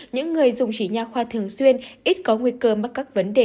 những người dùng chỉ nha khoa thường xuyên ít có nguy cơ mắc các vấn đề